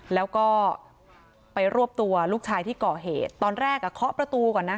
แล้วก็ไปรวบตัวลูกชายที่ก่อเหตุตอนแรกอ่ะเคาะประตูก่อนนะ